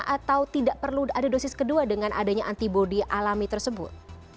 atau tidak perlu ada dosis kedua dengan adanya antibody alami tersebut